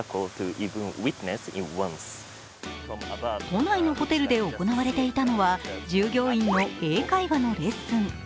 都内のホテルで行われていたのは従業員の英会話のレッスン。